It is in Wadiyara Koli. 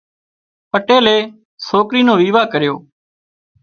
پٽيلي سوڪرِي نو ويوا ڪريو